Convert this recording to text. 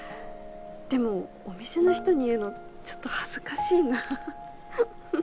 でもお店の人に言うのちょっと恥ずかしいなフフ。